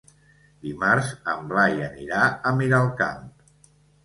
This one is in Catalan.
Dimarts en Blai anirà a Miralcamp.